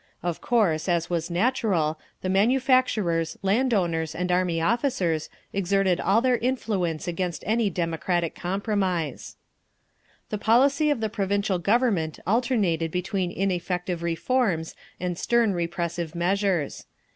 Of course, as was natural, the manufacturers, land owners and army officers exerted all their influence against any democratic compromise…. The policy of the Provisional Government alternated between ineffective reforms and stern repressive measures.